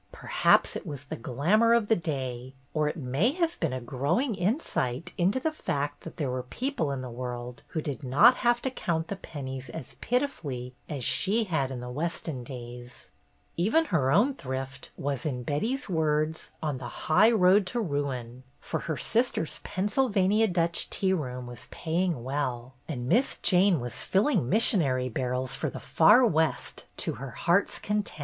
Perhaps it was the glam our of the day ; or it may have been a growing insight into the fact that there were people in the world who did not have to count the pen nies as pitifully as she had in the Weston days. Even her own thrift was, in Betty's words, on the highroad to ruin, for her sister's Pennsyl vania Dutch tea room was paying well, and Miss Jane was filling missionary barrels for the far West to her heart's content.